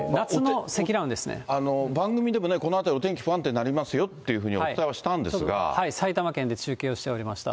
番組でも、この辺りお天気不安定になりますよというふうにお伝えはしたんで埼玉県で中継をしておりました。